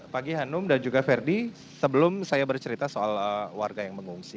pagi hanum dan juga verdi sebelum saya bercerita soal warga yang mengungsi